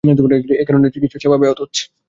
এ কারণে চিকিৎসা সেবা ব্যাহত হচ্ছে।